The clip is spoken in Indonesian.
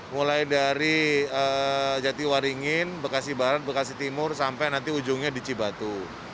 mulai dari jatiwaringin bekasi barat bekasi timur sampai nanti ujungnya di cibatu